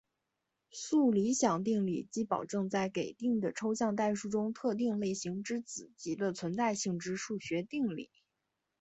素理想定理即保证在给定的抽象代数中特定类型之子集的存在性之数学定理。